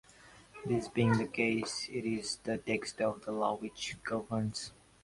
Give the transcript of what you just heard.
This being the case, it is the text of the law which governs.